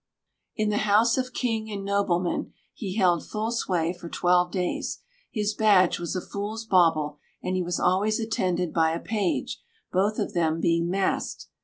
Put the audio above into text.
In the house of king and nobleman he held full sway for twelve days. His badge was a fool's bauble and he was always attended by a page, both of them being masked.